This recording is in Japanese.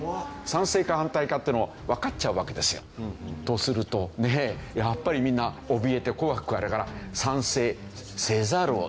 賛成か反対かっていうのもわかっちゃうわけですよ。とするとねやっぱりみんなおびえて怖がるから。